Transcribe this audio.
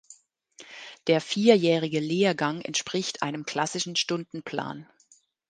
Der vierjährige Lehrgang entspricht einem klassischen Stundenplan.